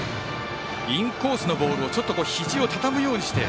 インコースのボールをひじをたたむようにして。